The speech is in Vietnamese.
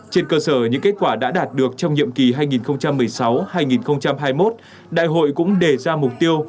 trên cơ sở những kết quả đã đạt được trong nhiệm kỳ hai nghìn một mươi sáu hai nghìn hai mươi một đại hội cũng đề ra mục tiêu